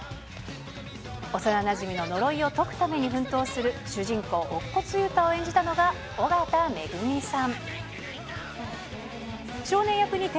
幼なじみの呪いを解くために奮闘する主人公、乙骨ゆうた役を演じる緒方恵美さん。